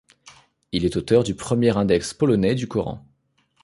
Il est auteur de premier index polonais du Coran.